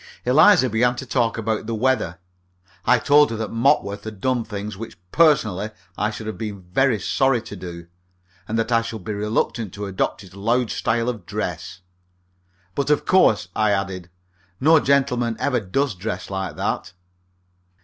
Eliza began to talk about the weather. I told her that Mopworth had done things which, personally, I should have been very sorry to do, and that I should be reluctant to adopt his loud style of dress. "But, of course," I added, "no gentleman ever does dress like that."